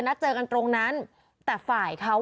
ก็เลยไปเจอกันตรงนั้นแต่ฝ่ายเขาไม่ได้เตรียมอาวุธไปด้วย